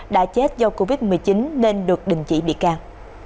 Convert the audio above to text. đã chết do covid một mươi chín nên được đình chỉ bị cao